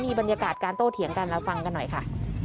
บรรยากาศการโต้เถียงกันเราฟังกันหน่อยค่ะ